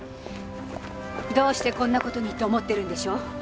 どうしてこんな事にって思ってるんでしょ？